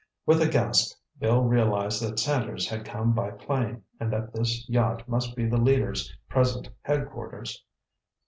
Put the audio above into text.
With a gasp, Bill realized that Sanders had come by plane, and that this yacht must be the leader's present headquarters.